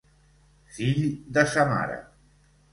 Fill de sa mare.